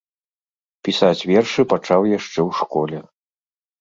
Пісаць вершы пачаў яшчэ ў школе.